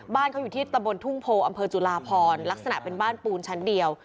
บ้านเขาอยู่ที่ตะบนทุ่งโพอำเภอจุลาพรลักษณะเป็นบ้านปูนชั้นเดียว